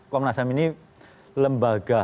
komnas ham ini lembaga